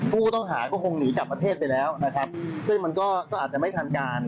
ผู้ต้องหาก็คงหนีกลับประเทศไปแล้วนะครับซึ่งมันก็อาจจะไม่ทันการ